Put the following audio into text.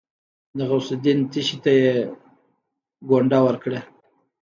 د غوث الدين تشي ته يې ګونډه ورکړه.